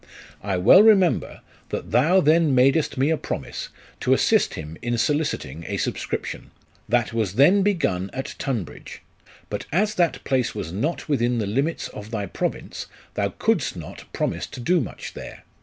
I well remember, that thou then madest me a promise to assist him in soliciting a subscription, that was then begun at Tunbridge ; but as that place was not within the limits of thy province, thou couldst not promise to do much there.